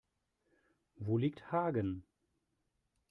Wo liegt Hagen?